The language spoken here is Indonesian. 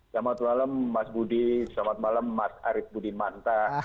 selamat malam mas budi selamat malam mas arief budimanta